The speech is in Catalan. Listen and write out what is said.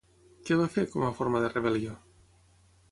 Què va fer, com a forma de rebel·lió?